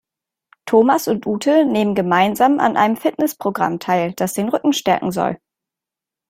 Thomas und Ute nehmen gemeinsam an einem Fitnessprogramm teil, das den Rücken stärken soll.